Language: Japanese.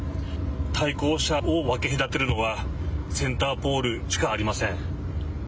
対向車を分け隔てるのはセンターポールしかありません。